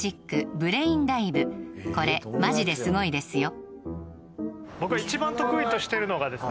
これマジですごいですよ